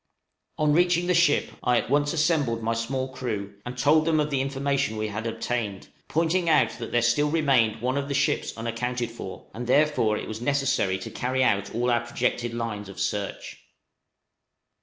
On reaching the ship, I at once assembled my small crew, and told them of the information we had obtained, pointing out that there still remained one of the ships unaccounted for, and therefore it was necessary to carry out all our projected lines of search.